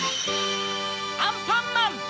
アンパンマン‼